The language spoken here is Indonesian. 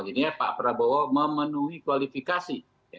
akhirnya pak prabowo memenuhi kualifikasi